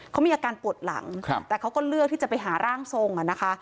เขามีอาการปวดหลังแต่เขาก็เลือกที่จะไปหาร่างทรงอ่ะนะคะ